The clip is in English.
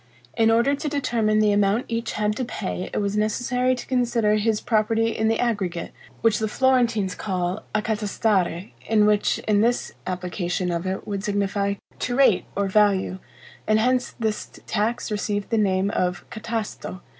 In order to determine the amount each had to pay, it was necessary to consider his property in the aggregate, which the Florentines call accatastare, in which in this application of it would signify TO RATE or VALUE, and hence this tax received the name of catasto.